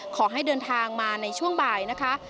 ขอให้เดินทางมาในช่วงบ่ายนะคะ